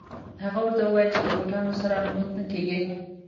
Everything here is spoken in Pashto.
هغه ورته وویل چې د بوټانو سره لمونځ نه کېږي.